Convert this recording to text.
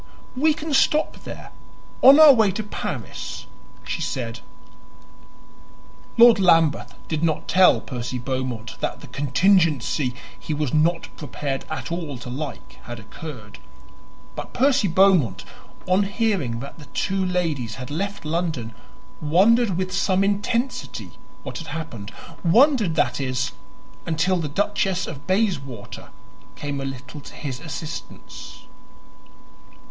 "We can stop there on our way to Paris," she said. Lord Lambeth did not tell Percy Beaumont that the contingency he was not prepared at all to like had occurred; but Percy Beaumont, on hearing that the two ladies had left London, wondered with some intensity what had happened; wondered, that is, until the Duchess of Bayswater came a little to his assistance.